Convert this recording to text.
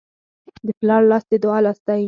د پلار لاس د دعا لاس دی.